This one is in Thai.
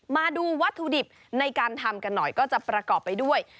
มาดูวัตถุดิบในการทำกันหน่อยก็จะประกอบไปด้วย